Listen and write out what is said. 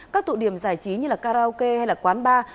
các tụ điểm giải trí như karaoke hay là quán bar